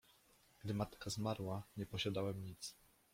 — Gdy matka zmarła, nie posiadałem nic.